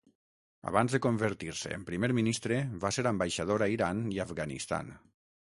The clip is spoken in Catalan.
Abans de convertir-se en primer ministre, va ser ambaixador a Iran i Afganistan.